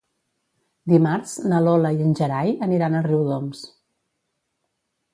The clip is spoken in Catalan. Dimarts na Lola i en Gerai aniran a Riudoms.